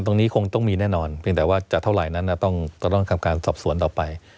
ตรงนี้คงต้องมีแน่นอนเพียงแต่ว่าจะเท่าไหร่นั้นก็ต้องทำการสอบสวนต่อไป